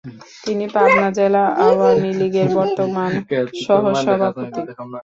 তিনি পাবনা জেলা আওয়ামী লীগের বর্তমান সহসভাপতি।